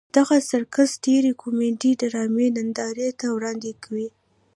دغه سرکس ډېرې کومیډي ډرامې نندارې ته وړاندې کوي.